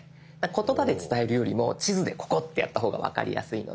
言葉で伝えるよりも地図でここってやった方が分かりやすいので。